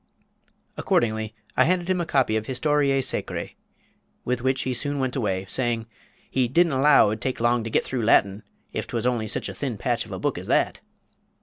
Accordingly, I handed him a copy of Historiæ Sacræ, with which he soon went away, saying, he "didn't allow it would take long to git through Latin, if 'twas only sich a thin patch of a book as that."